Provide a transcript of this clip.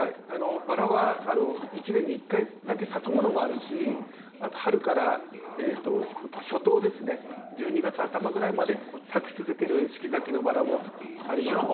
バラは一年に一回だけ咲くものもあるしあと春から初冬ですね１２月頭ぐらいまで咲き続ける四季咲きのバラもありますね。